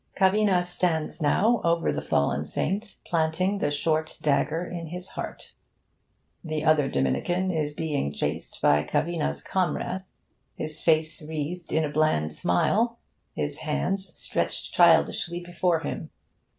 Cavina stands now over the fallen Saint, planting the short dagger in his heart. The other Dominican is being chased by Cavina's comrade, his face wreathed in a bland smile, his hands stretched childishly before him.